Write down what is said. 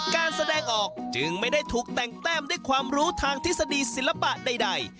การแสดงออกจึงไม่ได้ถูกแต่งแต้มด้วยความรู้ทางทฤษฎีศิลปะใด